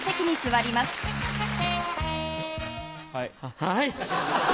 はい。